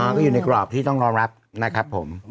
ก็อยู่ในกรอบที่ต้องรองรับนะครับผม